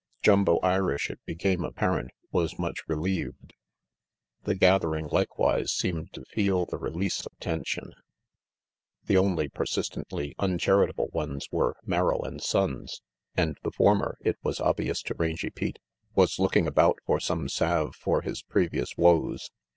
Jumbo Irish, it became apparent, was much relieved. The gathering likewise seemed to feel the release of tension. The only persistently unchari table ones were Merrill and Sonnes, and the former, it was obvious to Rangy Pete, was looking about for some salve for his previous woes.